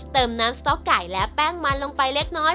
เติมน้ำสต๊อกไก่และแป้งมันลงไปเล็กน้อย